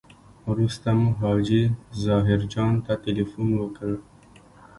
وروسته مو حاجي ظاهر جان ته تیلفون وکړ.